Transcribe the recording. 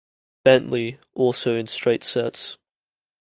Bentley, also in straight sets.